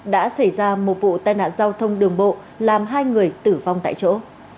đã xảy ra một vụ tai nạn giao thông đường bộ làm hai người tử vong tại chỗ